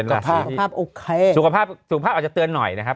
สุขภาพโอเคสุขภาพสุขภาพอาจจะเตือนหน่อยนะครับ